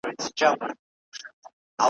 وزر مي دی راوړی سوځوې یې او که نه ,